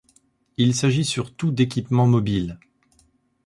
Il s'agit surtout d'équipements mobiles.